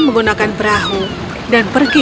menggunakan perahu dan pergi